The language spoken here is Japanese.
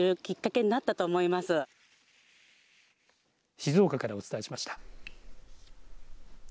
静岡からお伝えしました。